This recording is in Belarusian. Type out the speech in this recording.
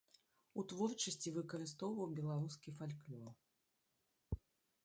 У творчасці выкарыстоўваў беларускі фальклор.